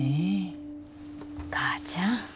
母ちゃん。